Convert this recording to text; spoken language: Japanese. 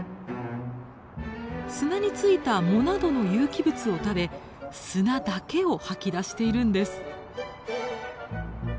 砂に付いた藻などの有機物を食べ砂だけを吐き出しているんです。